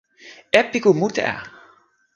epiku mute a!